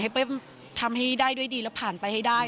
เปิ้มทำให้ได้ด้วยดีแล้วผ่านไปให้ได้